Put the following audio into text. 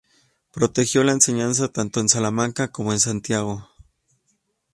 Protegió la enseñanza tanto en Salamanca como en Santiago.